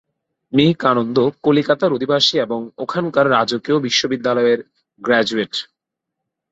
Me কানন্দ কলিকাতার অধিবাসী এবং ওখানকার রাজকীয় বিশ্ববিদ্যালয়ের গ্র্যাজুয়েট।